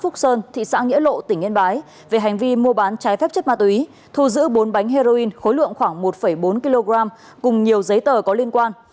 khi mua bán trái phép chất ma túy thu giữ bốn bánh heroin khối lượng khoảng một bốn kg cùng nhiều giấy tờ có liên quan